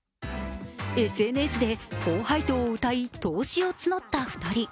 ＳＮＳで高配当をうたい、投資を募った２人。